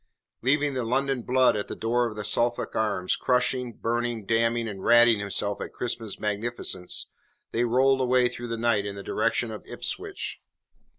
Leaving the London blood at the door of the Suffolk Arms, crushing, burning, damning and ratting himself at Crispin's magnificence, they rolled away through the night in the direction of Ipswich.